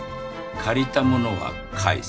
借りたものは返す。